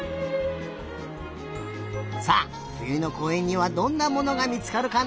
さあふゆのこうえんにはどんなものがみつかるかな？